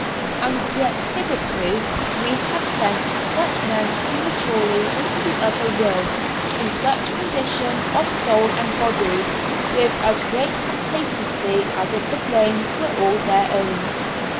And yet hitherto we have sent such men prematurely into the other world, in such condition of soul and body, with as great complacency as if the blame were all their own.